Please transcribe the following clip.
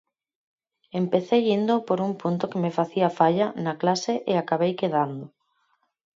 Empecei indo por un punto que me facía falla na clase e acabei quedando.